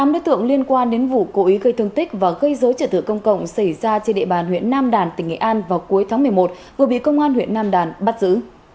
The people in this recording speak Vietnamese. tám đối tượng liên quan đến vụ cố ý gây thương tích và gây dối trợ tựa công cộng xảy ra trên địa bàn huyện nam đàn tỉnh nghệ an vào cuối tháng một mươi một vừa bị công an huyện nam đàn bắt giữ